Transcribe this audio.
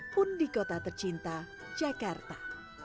pun di kota tercinta jakarta